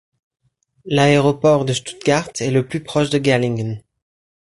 L'aéroport de Stuttgart est le plus proche de Gerlingen.